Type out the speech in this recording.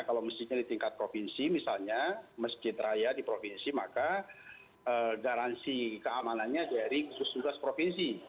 kalau masjidnya di tingkat provinsi misalnya masjid raya di provinsi maka garansi keamanannya dari gugus tugas provinsi